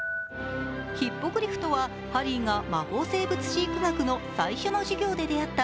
ヒッポグリフとはハリーが魔法生物飼育学の最初の授業で出会った